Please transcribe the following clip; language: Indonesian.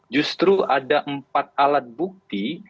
justru ada empat alat bukti